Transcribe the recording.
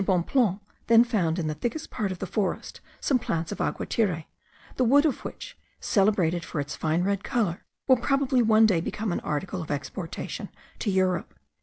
Bonpland then found in the thickest part of the forest some plants of aguatire, the wood of which, celebrated for its fine red colour, will probably one day become an article of exportation to Europe.